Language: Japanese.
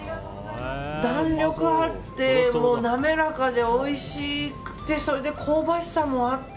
弾力があって滑らかでおいしくてそれで香ばしさもあって。